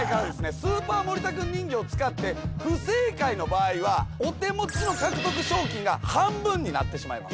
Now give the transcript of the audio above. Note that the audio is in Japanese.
スーパー森田くん人形を使って不正解の場合はお手持ちの獲得賞金が半分になってしまいます。